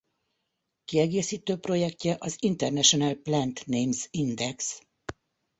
Kiegészítő projektje az International Plant Names Index.